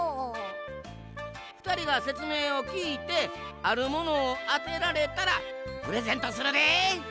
ふたりがせつめいをきいてあるものをあてられたらプレゼントするで。